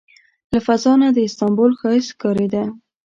له فضا نه د استانبول ښایست ښکارېده.